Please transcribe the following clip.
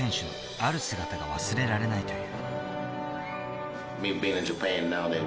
ある姿が忘れられないという。